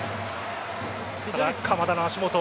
鎌田の足元。